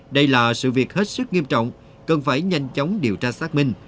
đây là sự việc hết sức nghiêm trọng cần phải nhanh chóng điều tra xác minh